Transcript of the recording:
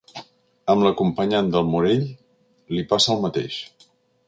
Amb l'acompanyant del Morell li passa el mateix.